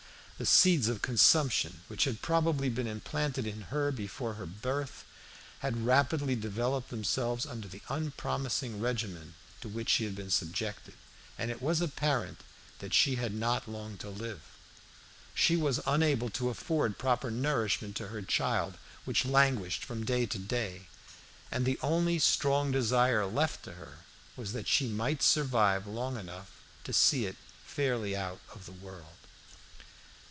The seeds of consumption, which had probably been implanted in her before her birth, had rapidly developed themselves under the unpromising regimen to which she had been subjected, and it was apparent that she had not long to live. She was unable to afford proper nourishment to her child, which languished from day to day, and the only strong desire left to her was that she might survive long enough to see it fairly out of the world.